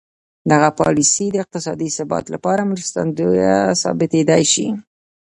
دغه پالیسي د اقتصادي ثبات لپاره مرستندویه ثابتېدای شي.